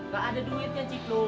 gak ada duitnya ciklu